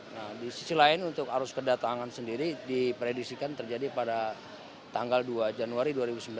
nah di sisi lain untuk arus kedatangan sendiri dipredisikan terjadi pada tanggal dua januari dua ribu sembilan belas